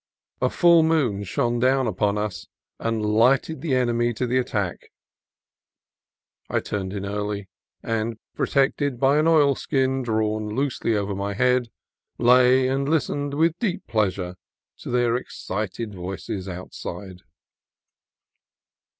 A full moon shone down upon us and lighted the enemy to the attack. I turned in early, and, protected by an oilskin drawn loosely over my head, lay and listened with deep pleasure to their excited voices outside.